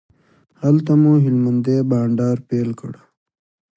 هلته مو هلمندی بانډار پیل کړ.